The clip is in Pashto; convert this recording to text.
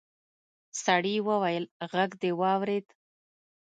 سړي وويل غږ دې واورېد.